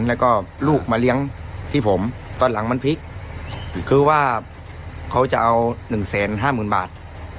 แล้วก็ลูกมาเลี้ยงที่ผมตอนหลังมันพลิกคือว่าเขาจะเอาหนึ่งแสนห้าหมื่นบาท